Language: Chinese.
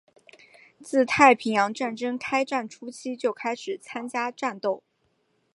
自太平洋战争开战初期就开始参加战斗。